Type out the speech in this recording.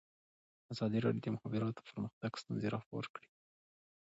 ازادي راډیو د د مخابراتو پرمختګ ستونزې راپور کړي.